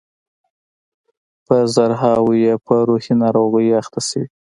په زرهاوو یې په روحي ناروغیو اخته شوي.